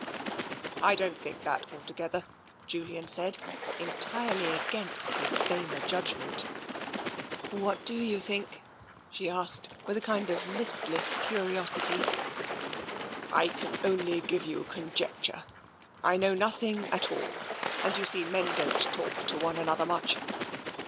" I don't think that altogether," Julian said, entirely against his saner judgment. " What do you think ?" she asked with a kind of list less curiosity. " I can only give you conjecture. I know nothing at all, and you see, men don't talk to one another, much.